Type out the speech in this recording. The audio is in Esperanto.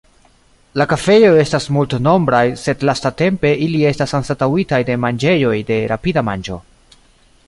La kafejoj estas multnombraj, sed lastatempe ili estas anstataŭitaj de manĝejoj de rapida manĝo.